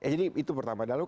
jadi itu pertama lalu